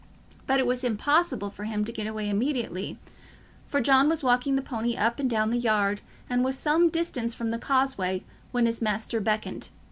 But it was impossible for him to get away immediately, for John was walking the pony up and down the yard, and was some distance from the causeway when his master beckoned.